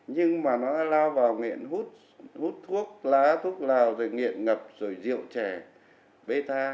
nó lao vào nghiện hút thuốc lá thuốc lao rồi nghiện ngập rồi rượu trẻ bê tha